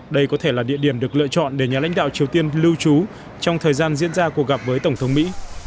đây có thể là địa điểm được lựa chọn để nhà lãnh đạo triều tiên lưu trú trong thời gian diễn ra cuộc gặp với tổng thống mỹ